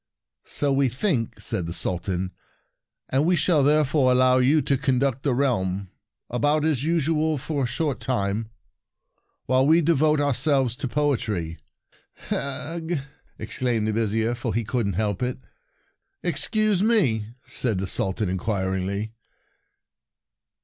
" So we think," said the Sul tan, " and we shall therefore allow you to conduct the realm about as usual for a short time, while we devote ourselves to poetry." " Ugh !" exclaimed the Viz ier, for he couldn't help it. An Inter jection Verses 51 "Excuse me?" said the Sultan, inquiringly.